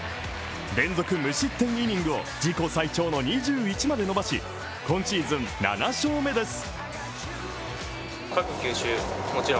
連続無失点イニングを自己最長の２１まで伸ばし今シーズン７勝目です。